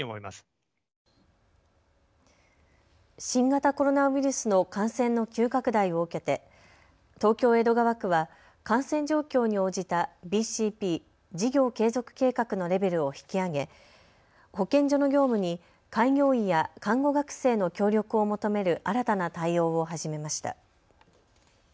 新型コロナウイルスの感染の急拡大を受けて東京江戸川区は感染状況に応じたＢＣＰ・事業継続計画のレベルを引き上げ保健所の業務に開業医や看護学生の協力を求める新たな対応を始めました。